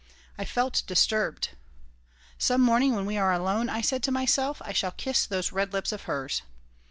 I felt disturbed. "Some morning when we are alone," I said to myself, "I shall kiss those red lips of hers."